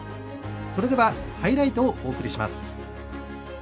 それでは、ハイライトをお送りします。